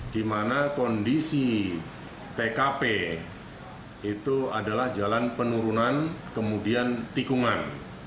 gimana kondisi tkp itu adalah jalan penurunan kemudian tikungan